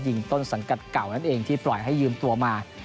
ต้นสังกัดเก่านั่นเองที่ปล่อยให้ยืมตัวมา